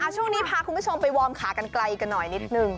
ช่วงนี้พาคุณผู้ชมไปวอร์มขากันไกลกันหน่อยนิดนึง